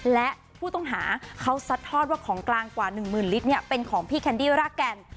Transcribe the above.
และผู้ต้องหาเขาซัดทอดว่าของกลางกว่า๑หมื่นลิตรเป็นของพี่แคนดี้รากแก่น